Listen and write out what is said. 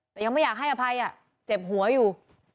แต่ยังไม่อยากให้อภัยเจ็บหัวอยู่